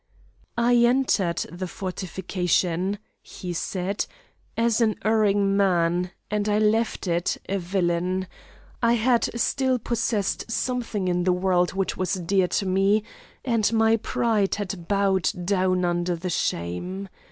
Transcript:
"I entered the fortification," he said, "as an erring man, and I left it a villain. I had still possessed something in the world which was dear to me, and my pride had bowed down under shame.